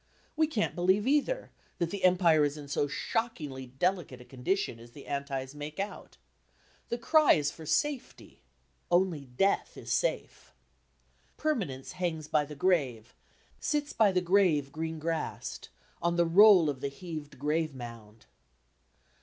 We can't believe, either, that the Empire is in so shockingly delicate a condition as the Antis make out. The cry is for safety. Only Death is safe. "Permanence hangs by the grave; Sits by the grave green grassed, On the roll of the heaved grave mound."